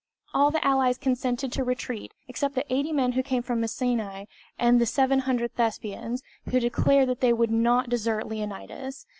All the allies consented to retreat, except the eighty men who came from Mycenć and the 700 Thespians, who declared that they would not desert Leonidas.